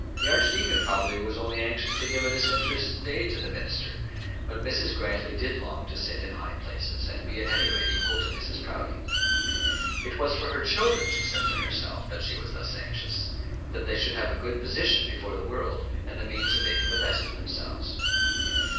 The archdeacon probably was only anxious to give a disinterested aid to the minister, but Mrs. Grantly did long to sit in high places, and be at any rate equal to Mrs. Proudie. It was for her children, she said to herself, that she was thus anxious, that they should have a good position before the world, and the means of making the best of themselves.